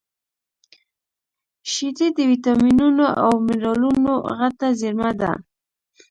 شیدې د ویټامینونو او مینرالونو غټه زېرمه ده